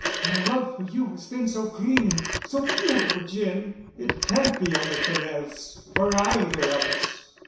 My love for you has been so clean—so beautiful, Jim. it can't be anything else—for either of us."